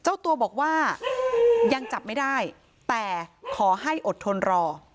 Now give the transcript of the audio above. เจ้าตัวบอกว่ายังจับไม่ได้แต่ขอให้อดทนรอ